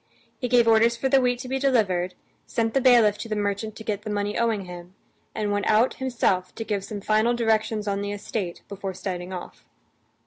He gave orders for the wheat to be delivered, sent the bailiff to the merchant to get the money owing him, and went out himself to give some final directions on the estate before setting off.